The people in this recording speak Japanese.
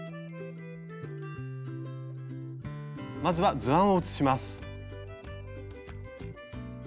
まずは図案を写します。